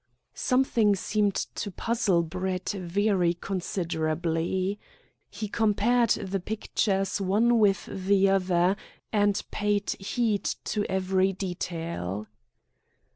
Something seemed to puzzle Brett very considerably. He compared the pictures one with the other, and paid heed to every detail.